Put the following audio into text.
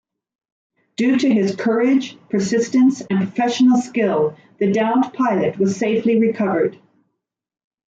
Due to his courage, persistence, and professional skill the downed pilot was safely recovered.